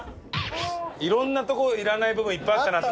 いろんなとこいらない部分いっぱいあったなって。